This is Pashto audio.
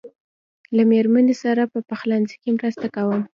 له مېرمنې سره په پخلنځي کې مرسته کوم.